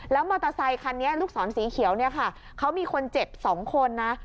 แล้วมอเตอร์ไซคันนี้ลูกสอนสีเขียวเขามีคนเจ็บ๒คนนะ